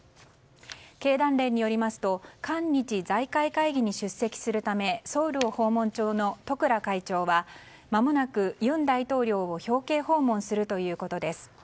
経団連によりますと韓日財界会議に出席するためソウルを訪問中の十倉会長はまもなく尹大統領を表敬訪問するということです。